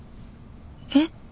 えっ？